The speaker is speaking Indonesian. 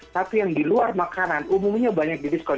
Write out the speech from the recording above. tapi yang di luar makanan umumnya banyak di diskon